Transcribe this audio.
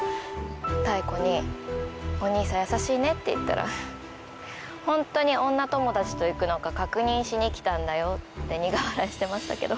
妙子に「お兄さん優しいね」って言ったら「ホントに女友達と行くのか確認しに来たんだよ」って苦笑いしてましたけど。